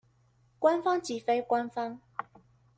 官方及非官方